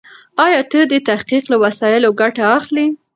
ايا ته د تحقيق له وسایلو ګټه اخلې؟